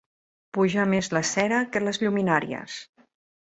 Pujar més la cera que les lluminàries.